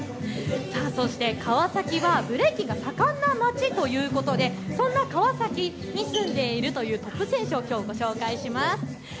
そして川崎はブレイキンが盛んなまちということでそんな川崎に住んでいるというトップ選手をきょうご紹介します。